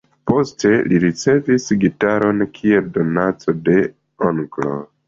Poste li ricevis gitaron kiel donaco de onklo.